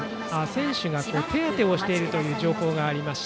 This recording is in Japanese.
選手が手当てをしているという情報です。